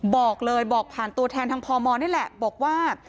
บอกเลยบอกผ่านตัวแทนทางพมนี่แหละบอกว่า